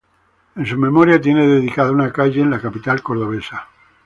En su memoria tiene dedicada una calle en la capital cordobesa.